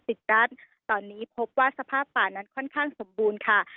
รัฐตอนนี้พบว่าสภาพป่านั้นค่อนข้างสมบูรณ์ค่ะ